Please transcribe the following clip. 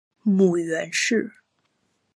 母袁氏。